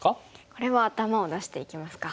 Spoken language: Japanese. これは頭を出していきますか。